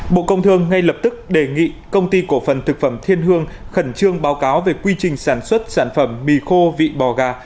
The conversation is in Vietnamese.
bộ công thương ngay lập tức đề nghị công ty cổ phần thực phẩm thiên hương khẩn trương báo cáo về quy trình sản xuất sản phẩm mì khô vị bò gà